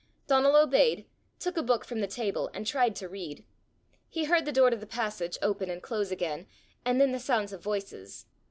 Donal obeyed, took a book from the table, and tried to read. He heard the door to the passage open and close again, and then the sounds of voices.